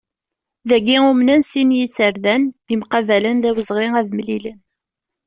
Dagi umnen sin yiserdan yemqabalen d awezɣi ad mlilen.